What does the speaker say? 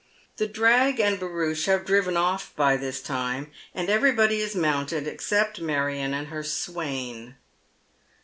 The drag and barouche have driven off by this time, and everybody is mounted except Marion and her swain.